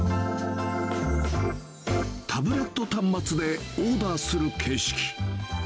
タブレット端末でオーダーする形式。